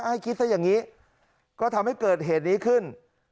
ให้คิดซะอย่างนี้ก็ทำให้เกิดเหตุนี้ขึ้น